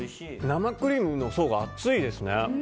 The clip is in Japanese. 生クリームの層が厚いですね。